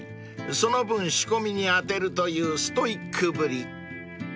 その分仕込みに充てるというストイックぶり］